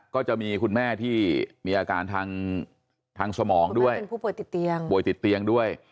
ก็จะมีคุณแม่ที่มีอาการทางสมองด้วยคุณแม่เป็นผู้ป่วยติดเตียง